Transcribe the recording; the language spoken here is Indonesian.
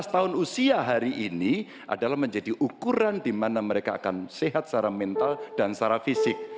sembilan belas tahun usia hari ini adalah menjadi ukuran di mana mereka akan sehat secara mental dan secara fisik